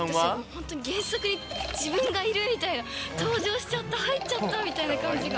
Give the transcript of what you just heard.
本当にすごい、原作に自分がいるみたいな、登場しちゃった、入っちゃったみたいな感じが。